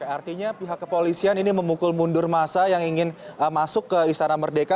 artinya pihak kepolisian ini memukul mundur masa yang ingin masuk ke istana merdeka